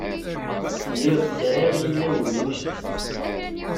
Lliɣ sεiɣ inaw iwejden.